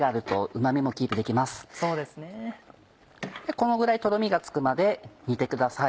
このぐらいトロミがつくまで煮てください。